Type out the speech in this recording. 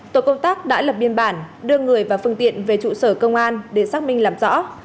tổ công tác đã lập biên bản đưa người và phương tiện về trụ sở công an để xác minh làm rõ